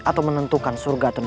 atau menentukan surga atau neraka